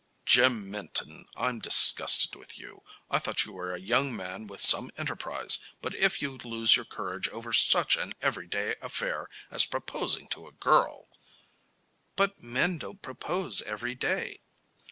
"Jim Minton, I'm disgusted with you. I thought you were a young man with some enterprise, but if you lose your courage over such an every day affair as proposing to a girl " "But men don't propose every day."